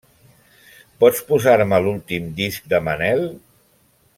Pots posar-me un l'últim disc de Manel?